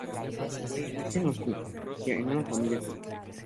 Zweig nació en Moscú, Rusia en una familia judía.